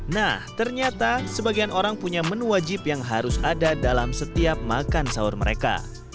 nah ternyata sebagian orang punya menu wajib yang harus ada dalam setiap makan sahur mereka